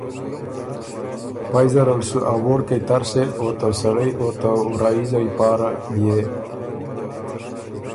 پئ زرل سُو ا وورکئ تر سېن او ته سړئ او ته وراييځئ پاره بيې